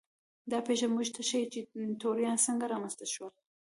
دا پېښه موږ ته ښيي چې توریان څنګه رامنځته شول.